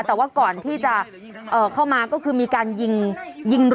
แต่ว่าก่อนที่จะเข้ามาก็คือมีการยิงยิง